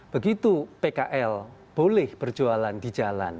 begitu pkl boleh berjualan di jalan